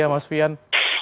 ya mas fian